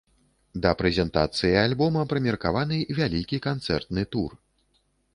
Да прэзентацыі альбома прымеркаваны вялікі канцэртны тур.